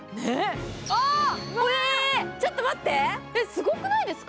すごくないですか？